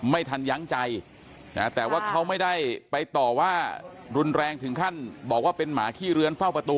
ไม่ทันยั้งใจแต่ว่าเขาไม่ได้ไปต่อว่ารุนแรงถึงขั้นบอกว่าเป็นหมาขี้เรือนเฝ้าประตู